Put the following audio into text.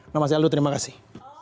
nama saya aldo terima kasih